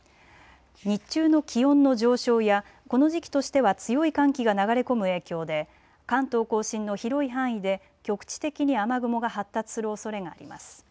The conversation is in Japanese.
日中の気温の上昇やこの時期としては強い寒気が流れ込む影響で関東甲信の広い範囲で局地的に雨雲が発達するおそれがあります。